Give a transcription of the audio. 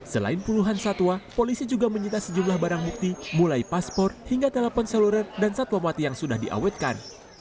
selain puluhan satwa polisi juga menyita sejumlah barang bukti mulai paspor hingga telepon seluler dan satwa mati yang sudah diawetkan